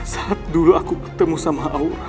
saat dulu aku ketemu sama allah